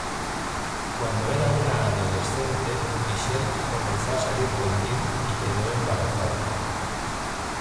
Cuando era una adolescente Michelle comenzó a salir con Dean y quedó embarazada.